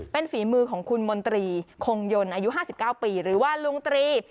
เป็นฝีมือของคุณมนตรีคงยนต์อายุ๕๙ปีหรือว่าลุงตรี